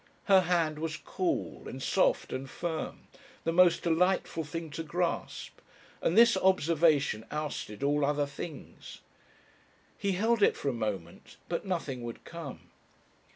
Her hand was cool and soft and firm, the most delightful thing to grasp, and this observation ousted all other things. He held it for a moment, but nothing would come.